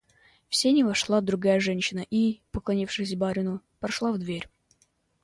В сени вошла другая женщина и, поклонившись барину, прошла в дверь.